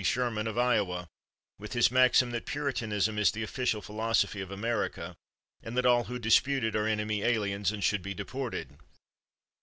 Sherman, of Iowa, with his maxim that Puritanism is the official philosophy of America, and that all who dispute it are enemy aliens and should be deported.